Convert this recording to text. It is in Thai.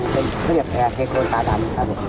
จะเปรียบแพร่เห็ดโคลนตาดำครับ